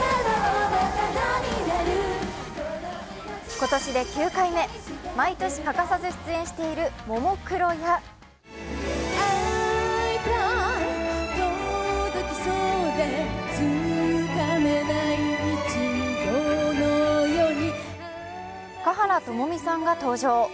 今年で９回目毎年欠かさず出演しているももクロや華原朋美さんが登場。